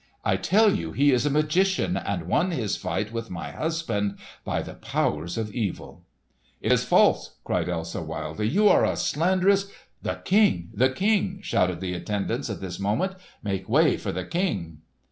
"I tell you he is a magician, and won his fight with my husband by the powers of evil!" "It is false!" cried Elsa wildly. "You are a slanderous——" "The King! the King!" shouted the attendants at this moment. "Make way for the King!"